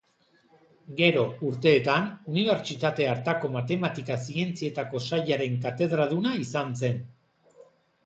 Gero, urteetan, Unibertsitate hartako Matematika Zientzietako Sailaren katedraduna izan zen.